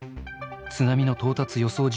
津波の到達予想